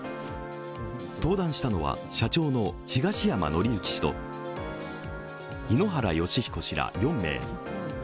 登壇したのは社長の東山紀之氏と井ノ原快彦氏ら４名。